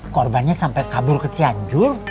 korbannya sampai kabur ke ci anjur